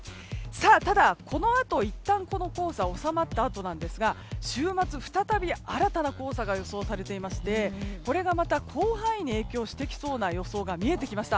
ただ、このあといったんこの黄砂収まったあとなんですが週末、再び新たな黄砂が予想されていましてこれがまた広範囲に影響をしてきそうな予想が見えてきました。